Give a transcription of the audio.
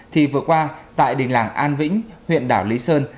thì vừa qua tại đỉnh làng an vĩnh huyện đảo lý sơn